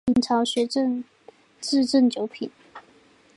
明朝学正秩正九品。